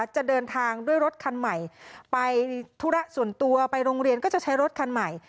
จะเดินทางด้วยรถคันใหม่ไปธุระส่วนตัวไปโรงเรียนก็จะใช้รถคันใหม่